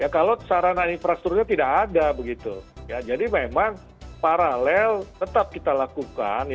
kalau sarana infrastrukturnya tidak ada begitu ya jadi memang paralel tetap kita lakukan